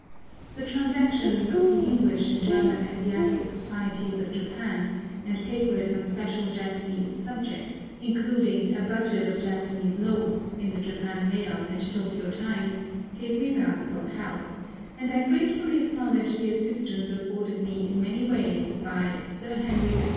The Transactions of the English and German Asiatic Societies of Japan, and papers on special Japanese subjects, including "A Budget of Japanese Notes," in the Japan Mail and Tôkiyô Times, gave me valuable help; and I gratefully acknowledge the assistance afforded me in many ways by Sir Harry S.